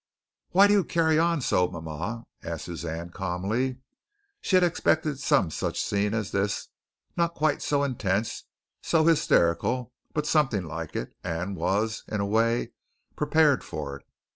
"Why do you carry on so, mama?" asked Suzanne calmly. She had expected some such scene as this not quite so intense, so hysterical, but something like it, and was, in a way, prepared for it.